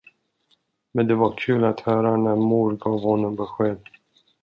Men det var kul att höra när mor gav honom besked.